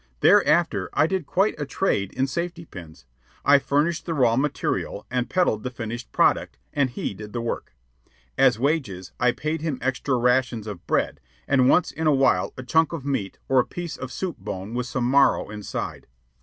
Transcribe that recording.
Thereafter I did quite a trade in safety pins. I furnished the raw material and peddled the finished product, and he did the work. As wages, I paid him extra rations of bread, and once in a while a chunk of meat or a piece of soup bone with some marrow inside.